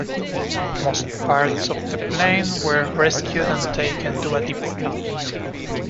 Most parts of the plane were rescued and taken to a depot.